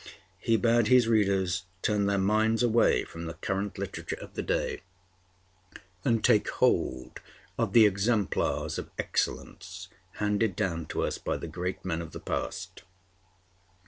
He bade his readers turn their minds away from the current literature of the day, and take hold of the exemplars of excellence handed down to us by the great men of the past.